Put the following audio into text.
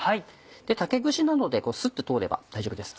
竹串などでスッと通れば大丈夫です。